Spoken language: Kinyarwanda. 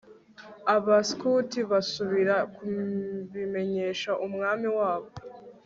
abaskuti basubira kubimenyesha umwami wabo